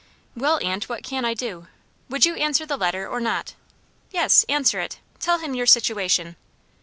"Well, aunt, what can I do? Would you answer the letter, or not?" "Yes, answer it. Tell him your situation."